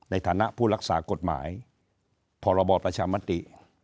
ในฐานะผู้รักษากฎหมายพรบประชามติ